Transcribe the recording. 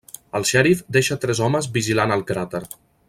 El xèrif deixa tres homes vigilant el cràter.